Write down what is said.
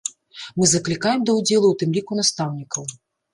Мы заклікаем да ўдзелу у тым ліку настаўнікаў.